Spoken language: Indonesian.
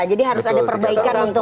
jadi harus ada perbaikan untuk